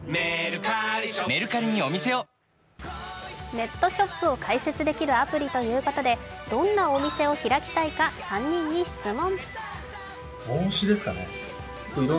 ネットショップを開設できるアプリということでどんなお店を開きたいか３人に質問。